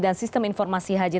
dan sistem informasi haji